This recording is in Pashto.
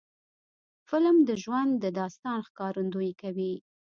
فلم د ژوند د داستان ښکارندویي کوي